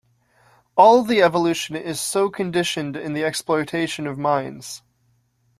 All the evolution is so conditioned in the exploitation of mines.